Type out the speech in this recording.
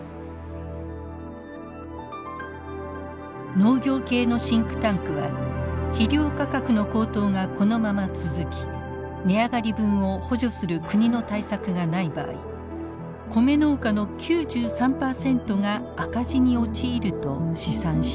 農業系のシンクタンクは肥料価格の高騰がこのまま続き値上がり分を補助する国の対策がない場合コメ農家の９３％が赤字に陥ると試算しています。